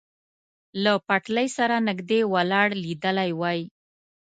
له پټلۍ سره نږدې ولاړ لیدلی وای.